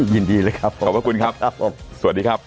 ยินดีเลยครับขอบคุณครับสวัสดีครับ